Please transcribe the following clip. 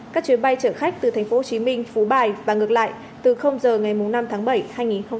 các chuyến bay chở khách từ tp hcm phú bài và ngược lại từ giờ ngày năm tháng bảy hai nghìn hai mươi